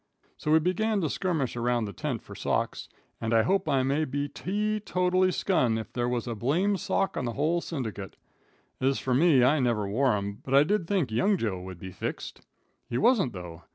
So we begun to skirmish around the tent for socks, and I hope I may be tee totally skun if there was a blame sock in the whole syndicate. Ez fur me, I never wore 'em, but I did think young Joe would be fixed. He wasn't though.